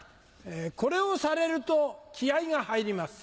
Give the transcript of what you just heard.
これをされると気合が入ります。